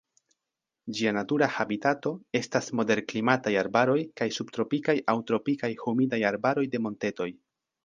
Ĝia natura habitato estas moderklimataj arbaroj kaj subtropikaj aŭ tropikaj humidaj arbaroj de montetoj.